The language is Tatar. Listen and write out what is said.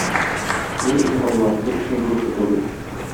Ни өчен алма, ни өчен груша түгел?